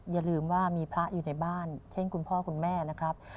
อย่าลืมว่ามีพระอยู่ในบ้านเช่นคุณพ่อคุณแม่นะครับ